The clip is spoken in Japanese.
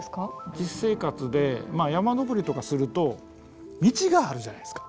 実生活で山登りとかすると道があるじゃないですか。